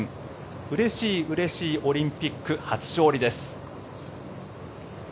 うれしいうれしいオリンピック初勝利です。